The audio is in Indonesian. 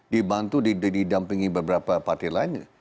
dibantu didampingi beberapa partai lainnya